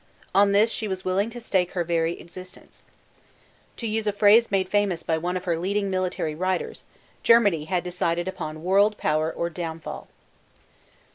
On this she was willing to stake her very existence. To use a phrase made famous by one of her leading military writers, Germany had decided upon "world power or downfall."